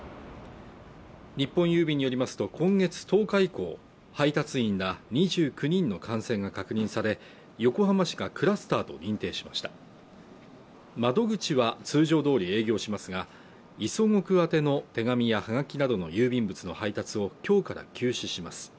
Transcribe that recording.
日本郵便によりますと今月１０日以降配達員ら２９人の感染が確認され横浜市がクラスターと認定しました窓口は通常どおり営業しますが磯子区宛の手紙やはがきなどの郵便物の配達をきょうから休止します